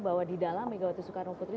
bahwa di dalam megawati soekarno putri